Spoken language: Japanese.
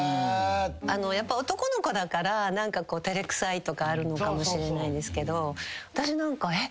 男の子だから何か照れくさいとかあるのかもしれないんですけど私なんかえっ